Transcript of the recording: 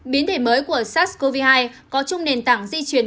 biến thể mới của sars cov hai có chung nền tảng di chuyển